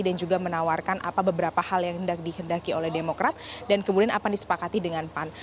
dan juga menawarkan apa beberapa hal yang dihendaki oleh demokrat dan kemudian apa yang disepakati dengan pan